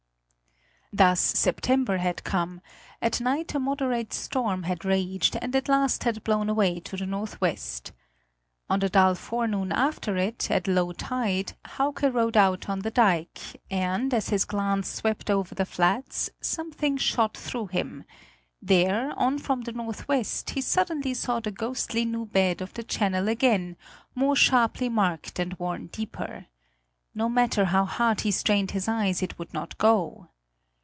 Thus September had come; at night a moderate storm had raged and at last had blown away to the northwest. On the dull forenoon after it, at low tide, Hauke rode out on the dike and, as his glance swept over the flats, something shot through him: there, on from the northwest, he suddenly saw the ghostly new bed of the channel again, more sharply marked and worn deeper. No matter how hard he strained his eyes, it would not go.